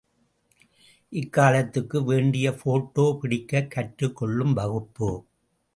இக்காலத்துக்கு வேண்டிய போட்டோ பிடிக்கக் கற்றுக்கொள்ளும் வகுப்பு.